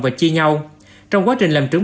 và chia nhau trong quá trình làm trưởng